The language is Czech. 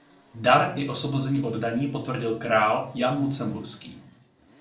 Dar i osvobození od daní potvrdil král Jan Lucemburský.